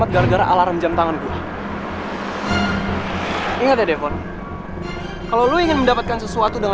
gue gak ada hubungannya sama masalah lo